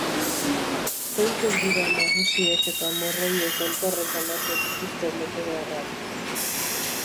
Zeintzuk dira nagusiek eta morroiek elkarrenganako dituzten betebeharrak?